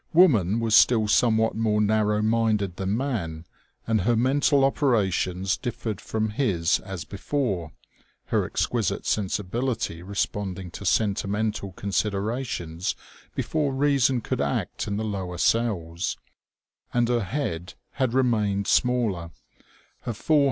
Woman was still somewhat more nar row minded than man, and her mental operations differed from his as before (her exquisite sensibility responding to sentimental considerations before reason could act in the lower cells), and her head had remained smaller, her fore OMEGA.